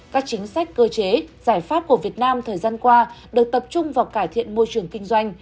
các chính sách cơ chế giải pháp của việt nam thời gian qua được tập trung vào cải thiện môi trường kinh doanh